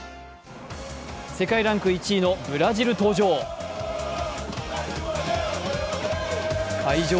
世界ランク１位のブラジル登場。